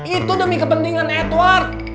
itu demi kepentingan edward